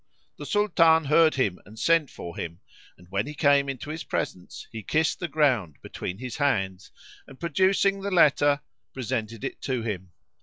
[FN#67] The Sultan heard him and sent for him; and when he came into his presence, he kissed the ground between his hands and, producing the letter, presented it to him.